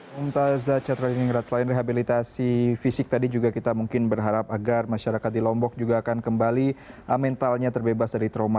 mumtazah catra diningrat selain rehabilitasi fisik tadi juga kita mungkin berharap agar masyarakat di lombok juga akan kembali mentalnya terbebas dari trauma